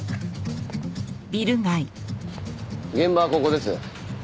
現場はここです。